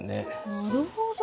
なるほど。